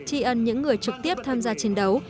tri ân những người trực tiếp tham gia chiến đấu